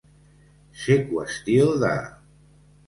Ser qüestió de.